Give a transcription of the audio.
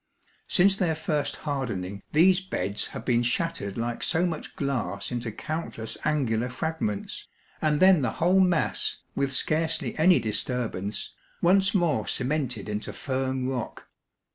Since their first hardening these beds have been shattered like so much glass into countless angular fragments, and then the whole mass, with scarcely any disturbance, once more cemented into firm rock.